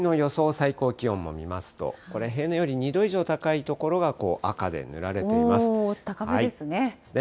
最高気温も見ますと、これ平年より２度以上高い所が赤高めですね。ですね。